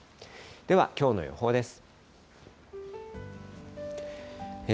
では、きょうの予報です。